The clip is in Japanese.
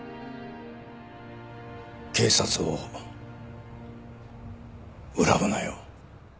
警察を恨むなよ。